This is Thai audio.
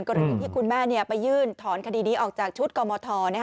กรณีที่คุณแม่ไปยื่นถอนคดีนี้ออกจากชุดกรมท